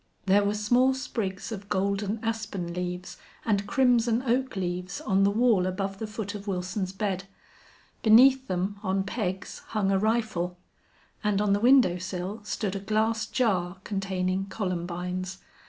There were small sprigs of golden aspen leaves and crimson oak leaves on the wall above the foot of Wilson's bed. Beneath them, on pegs, hung a rifle. And on the window sill stood a glass jar containing columbines.